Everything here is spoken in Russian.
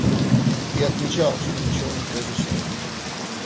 И отмечал, что ничего не произошло.